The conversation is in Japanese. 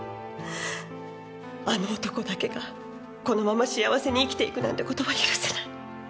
あの男だけがこのまま幸せに生きていくなんて事は許せない。